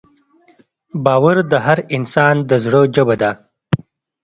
باور د هر انسان د زړه ژبه ده.